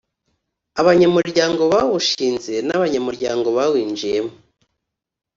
Abanyamuryango bawushinze n abanyamuryango bawinjiyemo